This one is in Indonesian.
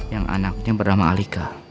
yang anaknya bernama halika